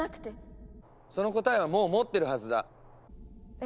その答えはもう持ってるはずだ。え？